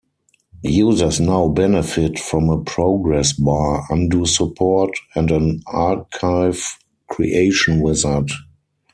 Users now benefit from a progress bar, undo support, and an archive creation wizard.